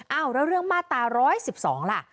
อ้าวแล้วเรื่องมาตรา๑๑๒ล่ะ